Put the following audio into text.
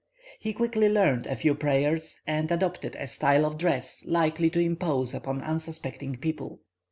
He quickly learned a few prayers, and adopted a style of dress likely to impose upon unsuspecting people.